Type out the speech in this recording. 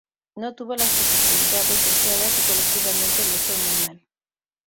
No tuvo las oportunidades deseadas y colectivamente le fue muy mal.